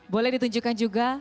boleh ditunjukkan juga kuncinya